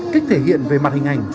cách thể hiện về mặt hình ảnh